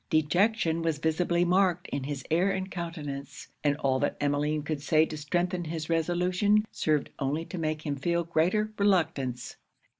Dejection was visibly marked in his air and countenance; and all that Emmeline could say to strengthen his resolution, served only to make him feel greater reluctance.